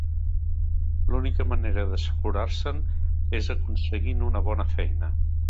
L'única manera d'assegurar-se'n és aconseguint una bona feina